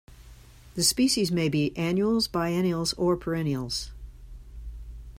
The species may be annuals, biennials or perennials.